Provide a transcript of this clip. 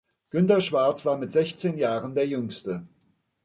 Günther Schwarz war mit sechzehn Jahren der Jüngste.